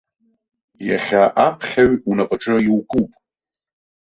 Иахьа аԥхьаҩ унапаҿы иукуп.